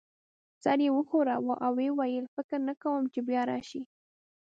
سر یې وښوراوه او ويې ویل: فکر نه کوم چي بیا راشې.